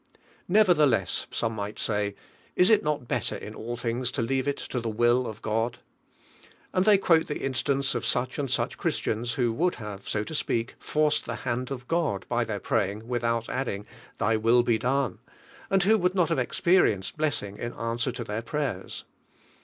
"Nevertheless," some might say, "is it not better in all things to leave it to the tflVINE lir.AI.INO. i:,:i will of God?" Aod they quote the in stance of such and such Christians who would have, so to apeak, forced the hand of God bi their praying without adding, Thy will be done, and wdio would mil have experienced blessing in Hie answer in their prayers.